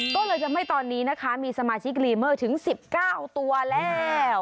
ก็เลยทำให้ตอนนี้นะคะมีสมาชิกรีเมอร์ถึง๑๙ตัวแล้ว